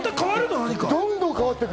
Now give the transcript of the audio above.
どんどん変わってく。